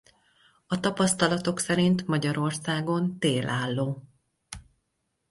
A tapasztalatok szerint Magyarországon télálló.